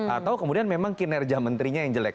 atau kemudian memang kinerja menterinya yang jelek